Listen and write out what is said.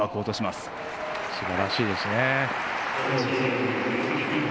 すばらしいですね。